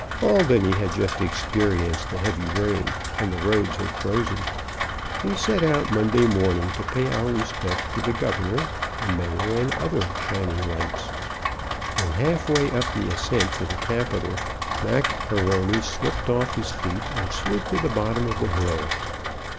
Albany had just experienced a heavy rain, and the roads had frozen. We set out Monday morning to pay our respects to the Governor, the Mayor and other shining lights. When half way up the ascent to the capitol, Mac A'Rony slipped off his feet and slid to the bottom of the hill.